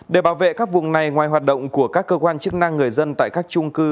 để bảo vệ các vùng này ngoài hoạt động của các cơ quan chức năng người dân tại các trung cư